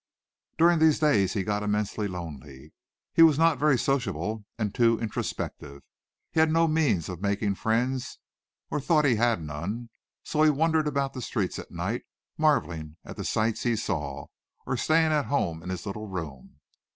During these days he got immensely lonely. He was not very sociable, and too introspective. He had no means of making friends, or thought he had none. So he wandered about the streets at night, marveling at the sights he saw, or staying at home in his little room.